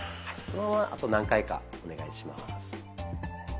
そのままあと何回かお願いします。